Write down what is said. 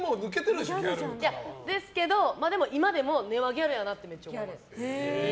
ですけど、今でも根はギャルだなってめっちゃ思います。